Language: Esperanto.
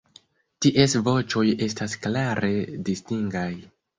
Ties voĉoj estas klare distingaj.